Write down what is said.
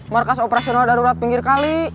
markas operasional darurat pinggir kali